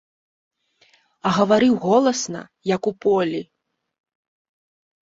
А гаварыў голасна, як у полі.